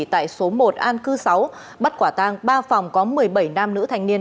tại số một an cư sáu bắt quả tang ba phòng có một mươi bảy nam nữ thành niên